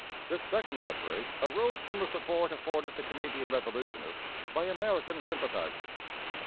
This second outbreak arose from the support afforded the Canadian revolutionists by American 'sympathizers.'